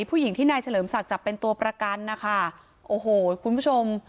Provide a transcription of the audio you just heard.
ผู้หญิงที่นายเฉลิมศักดิ์จับเป็นตัวประกันนะคะโอ้โหคุณผู้ชม